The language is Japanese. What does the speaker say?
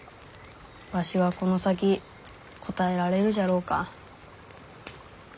わしはこの先応えられるじゃろうか？